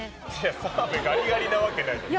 澤部ガリガリなわけないじゃん。